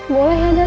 boleh ya dad